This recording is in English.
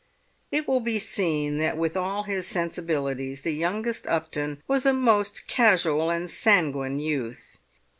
It will be seen that with all his sensibilities the youngest Upton was a most casual and sanguine youth.